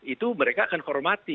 itu mereka akan hormonir